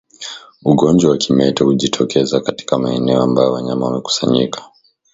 Ugonjwa wa kimeta hujitokeza katika maeneo ambayo wanyama wamekusanyika